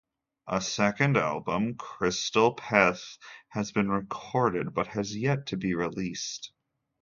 A second album, "Crystal Peth" has been recorded but has yet to be released.